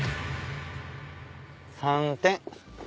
３点。